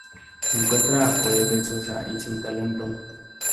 Encuentra a Phoebe sosa y sin talento.